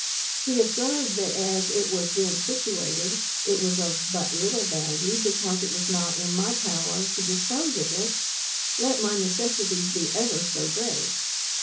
He observed that as it was then situated, it was of but little value, because it was not in my power to dispose of it, let my necessities be ever so great.